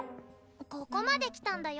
ここまで来たんだよ？